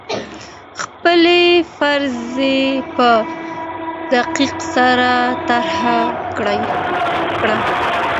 خپلي فرضې په دقت سره طرحه کړه.